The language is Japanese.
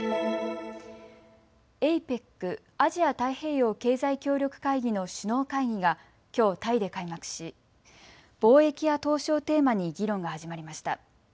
ＡＰＥＣ・アジア太平洋経済協力会議の首脳会議がきょうタイで開幕し貿易や投資をテーマに議論が始まりました。